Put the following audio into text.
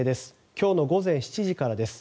今日の午前７時からです。